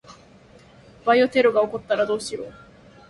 バイオテロが起こったらどうしよう。